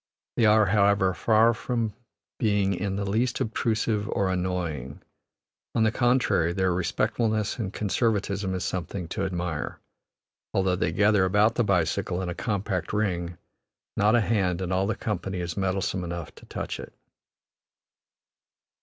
They are, however, far from being in the least obtrusive or annoying; on the contrary, their respectfulness and conservatism is something to admire; although they gather about the bicycle in a compact ring, not a hand in all the company is meddlesome enough to touch it.